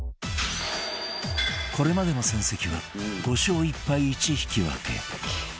これまでの戦績は５勝１敗１引き分け